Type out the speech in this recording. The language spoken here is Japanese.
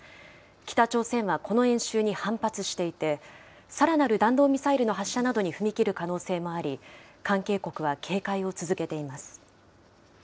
北朝鮮はこの演習に反発していて、さらなる弾道ミサイルの発射などに踏み切る可能性もあり、関係国は警戒を続けています。